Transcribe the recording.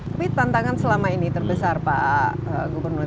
tapi tantangan selama ini terbesar pak gubernur